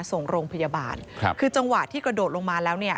ส่งโรงพยาบาลครับคือจังหวะที่กระโดดลงมาแล้วเนี่ย